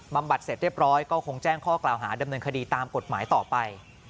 บัดเสร็จเรียบร้อยก็คงแจ้งข้อกล่าวหาดำเนินคดีตามกฎหมายต่อไป